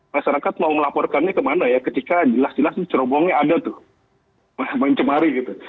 masyarakat mau melaporkannya ke mana ya ketika jelas jelas cerombongnya ada tuh mencemari gitu